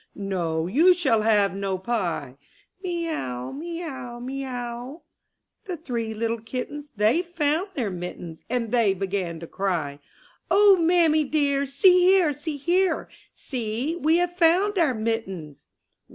No, you shall have no pieT' Mee ow, mee ow, mee ow T* The three little kittens they found their mittens, And they began to cry: '*0h ! mammy dear, See here, see here! See, we have found our mittens."